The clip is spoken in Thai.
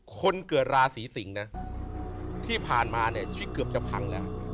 คนเกิดราศีสิงศ์นะที่ผ่านมาเนี่ยชีวิตเกือบจะพังแล้ว